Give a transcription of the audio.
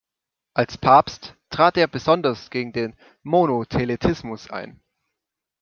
Als Papst trat er besonders gegen den Monotheletismus ein.